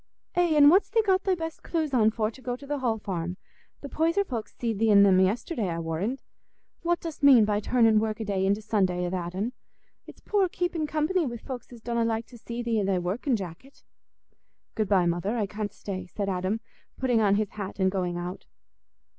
"Eh, an' what's thee got thy best cloose on for to go to th' Hall Farm? The Poyser folks see'd thee in 'em yesterday, I warrand. What dost mean by turnin' worki'day into Sunday a that'n? It's poor keepin' company wi' folks as donna like to see thee i' thy workin' jacket." "Good bye, mother, I can't stay," said Adam, putting on his hat and going out.